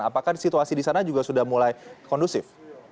apakah situasi di sana juga sudah mulai kondusif